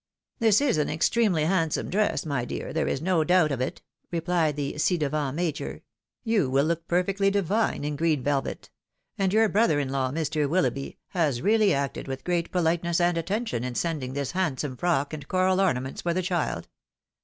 " This is an extremely handsome dress, my dear, there is no doubt of it," replied the ci devant Major. " You will look per fectly divine in green velvet ! And your brother in law, Mr. Willoughby, has reaUy acted with great politeness and attention in sending this handsome frock and coral ornaments for the child.